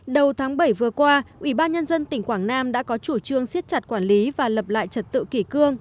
đầu tháng bảy vừa qua ủy ban nhân dân tỉnh quảng nam đã có chủ trương siết chặt quản lý và lập lại trật tự kỷ cương